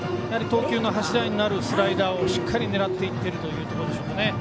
投球の柱になるスライダーをしっかり狙っていってるというところですね。